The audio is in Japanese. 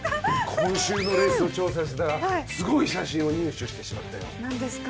今週のレースを調査してたらすごい写真を入手してしまったよなんですか？